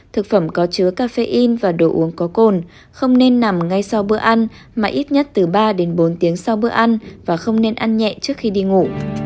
thực phẩm có chứa cà phê in và đồ uống có cồn không nên nằm ngay sau bữa ăn mà ít nhất từ ba đến bốn tiếng sau bữa ăn và không nên ăn nhẹ trước khi đi ngủ